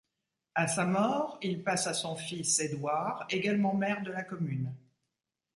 À sa mort, il passe à son fils, Édouard, également maire de la commune.